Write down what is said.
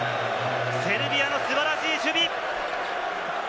セルビアの素晴らしい守備。